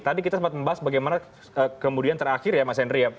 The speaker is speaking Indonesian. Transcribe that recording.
tadi kita sempat membahas bagaimana kemudian terakhir ya mas henry ya